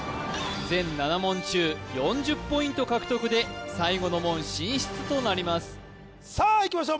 全７問中４０ポイント獲得で最後の門進出となりますさあいきましょう